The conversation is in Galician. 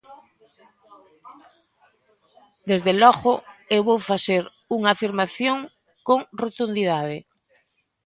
Desde logo, eu vou facer unha afirmación con rotundidade.